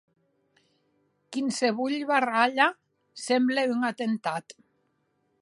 Quinsevolh barralha semble un atemptat.